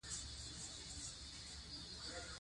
پامیر د افغانستان د امنیت په اړه هم پوره اغېز لري.